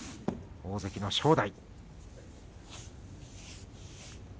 大関の正代。